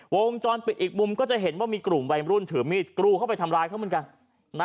วงจรปิดอีกมุมก็จะเห็นว่ามีกลุ่มวัยรุ่นถือมีดกรูเข้าไปทำร้ายเขาเหมือนกัน